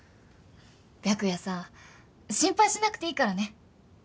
白夜さん心配しなくていいからね。